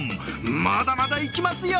まだまだいきますよ！